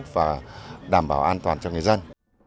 và đảm bảo an toàn cho người dân